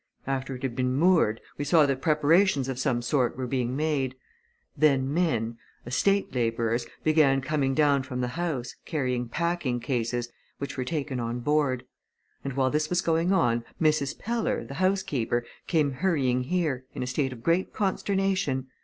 After it had been moored, we saw that preparations of some sort were being made. Then men estate labourers began coming down from the house, carrying packing cases, which were taken on board. And while this was going on, Mrs. Peller, the housekeeper, came hurrying here, in a state of great consternation.